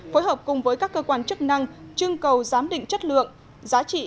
phối hợp cùng với các cơ quan chức năng chương cầu giám định chất lượng giá trị